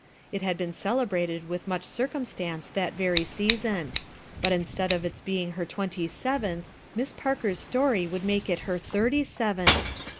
It had been celebrated with much circumstance that very season; but instead of its being her twenty seventh, Miss Parkers story would make it her thirty seventh